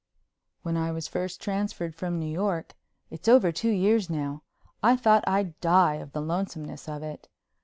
When I was first transferred from New York—it's over two years now—I thought I'd die of the lonesomeness of it.